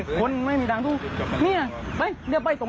ครับท่าน